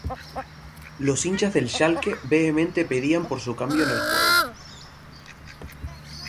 Los hinchas del Schalke vehementemente pedían por su cambio en el juego.